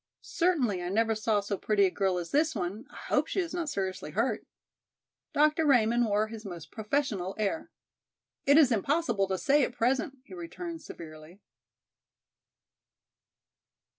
"Certainly I never saw so pretty a girl as this one, I hope she is not seriously hurt." Dr. Raymond wore his most professional air. "It is impossible to say at present," he returned severely.